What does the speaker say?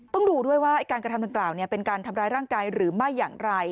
ดูด้วยว่าการกระทำดังกล่าวเป็นการทำร้ายร่างกายหรือไม่อย่างไร